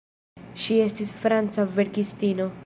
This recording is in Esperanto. Ŝi estis franca verkistino.